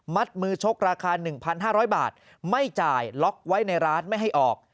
มือชกราคา๑๕๐๐บาทไม่จ่ายล็อกไว้ในร้านไม่ให้ออก